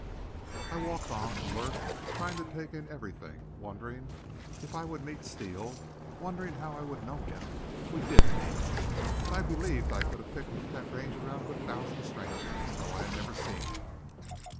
I walked on, alert, trying to take in everything, wondering if I would meet Steele, wondering how I would know him if we did meet. But I believed I could have picked that Ranger out of a thousand strangers, though I had never seen him.